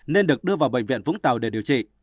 nên được đưa vào bệnh viện vũng tàu để điều trị